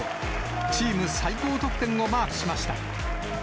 チーム最高得点をマークしました。